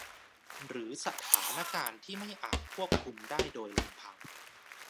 หรือสถานการณ์ที่ไม่อาจควบคุมได้โดยลำพัง